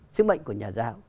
sứ mệnh của nhà giáo